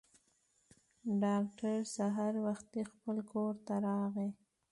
ډاکټر سهار وختي خپل کور ته راغی.